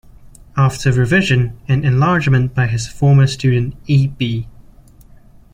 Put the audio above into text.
After revision and enlargement by his former student E. B.